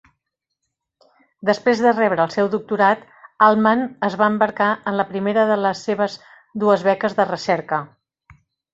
Després de rebre el seu doctorat, Altman es va embarcar en la primera de les seves dues beques de recerca.